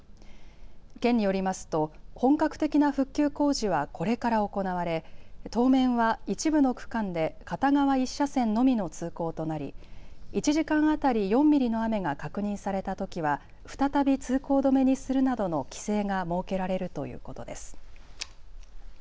県によりますと本格的な復旧工事はこれから行われ当面は一部の区間で片側１車線のみの通行となり、１時間当たり４ミリの雨が確認されたときは再び通行止めにするなどの規制が設けられるということです。